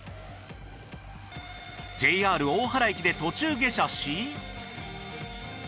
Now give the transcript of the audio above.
ＪＲ大原駅で途中下車し。